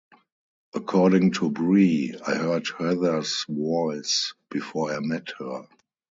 According to Bree, I heard Heather's voice before I met her.